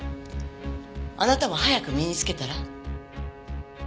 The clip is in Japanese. あなたも早く身につけたら？